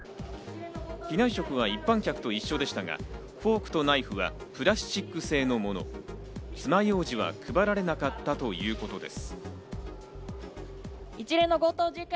機内食は一般客と同じでしたが、フォークとナイフはプラスチック製のもの、爪楊枝は配られなかったということです。